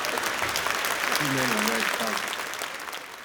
two men in red fight.